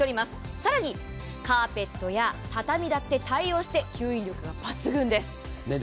更に、カーペットや畳だって対応して、吸引力が抜群です。